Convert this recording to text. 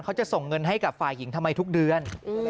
ส่งเงินให้กับฝ่ายหญิงทำไมทุกเดือน